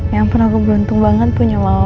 ya ampun aku beruntung banget punya mama